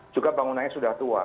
juga bangunannya sudah tua